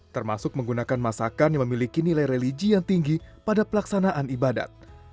termasuk menggunakan masakan yang memiliki nilai religi yang tinggi pada pelaksanaan ibadat